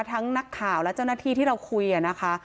นักข่าวและเจ้าหน้าที่ที่เราคุยนะคะ